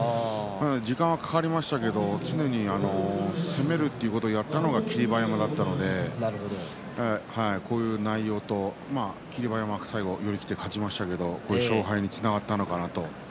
時間がかかりましたけれど常に攻めるということをやったのは霧馬山だったので霧馬山、最後寄り切って勝ちましたけど勝敗につながったのかなと。